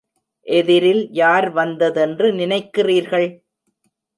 எதிரில் யார் வந்ததென்று நினைக்கிறீர்கள்?